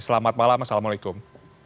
selamat malam assalamualaikum